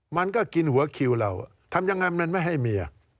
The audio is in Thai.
มันก็กินหัวคิวเราทำยังไงมันไม่ให้เมีย